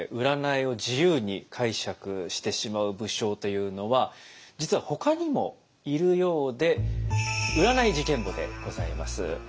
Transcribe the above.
占いを自由に解釈してしまう武将というのは実はほかにもいるようで占い事件簿でございます。